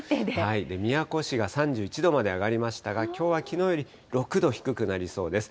宮古市が３１度まで上がりましたが、きょうはきのうより６度低くなりそうです。